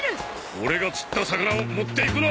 オレが釣った魚を持っていくな！